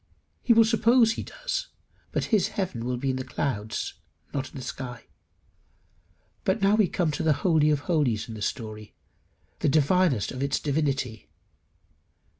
He will suppose he does, but his heaven will be in the clouds, not in the sky. But now we come to the holy of holies of the story the divinest of its divinity.